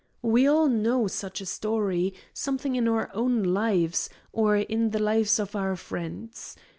We all know such a story, something in our own lives, or in the lives of our friends.